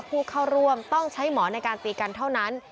ผู้เข้าร่วมต้องใช้หมอนในการตีกันเท่านั้น